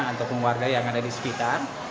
atau keluarga yang ada di sekitar